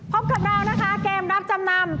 พบกับเรานะคะเกมรับจำนำ